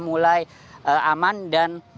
mulai aman dan